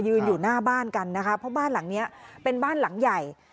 อยู่หน้าบ้านกันนะคะเพราะบ้านหลังนี้เป็นบ้านหลังใหญ่